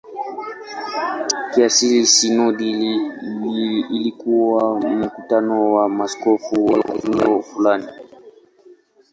Kiasili sinodi ilikuwa mkutano wa maaskofu wa eneo fulani.